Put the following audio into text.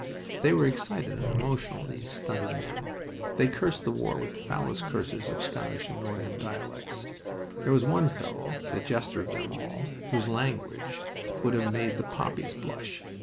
They were excited and emotional, these stunted men. They cursed the war with the foulest curses of Scottish and Northern dialects. There was one fellow the jester of them all whose language would have made the poppies blush.